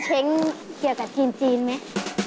เชงเกี่ยวกับชีนจีนมั้ย